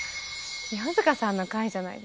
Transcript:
清塚さんの回じゃないですか。